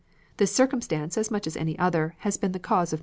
This circumstance, as much as any other, has been the cause of new names.